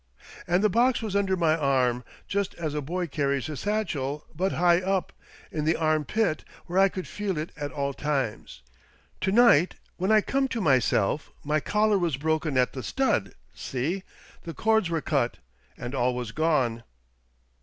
And the box was under my arm — just as a boy carries his satchel, but high up — in the arm pit, where I could feel it at all times. To night, when I come to myself, my collar was broken at the stud — see — the cords were cut — and all was gone